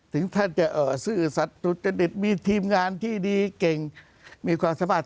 ถึงท่านจะซื่อสัตว์สุจริตมีทีมงานที่ดีเก่งมีความสามารถ